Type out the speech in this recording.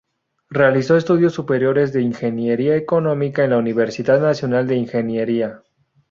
Realizó estudios superiores de ingeniería económica en la Universidad Nacional de Ingeniería.